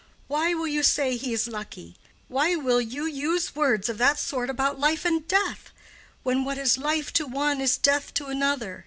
Why will you say he is lucky—why will you use words of that sort about life and death—when what is life to one is death to another?